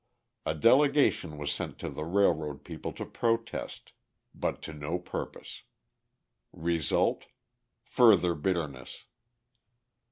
A delegation was sent to the railroad people to protest, but to no purpose. Result: further bitterness.